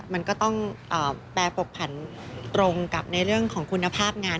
มันก็ต้องแปรปกผันตรงกับในเรื่องของคุณภาพงาน